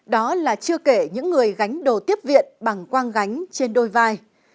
đó là chưa kể những người gánh đồ tiếp viện bằng quang gánh trên đôi vai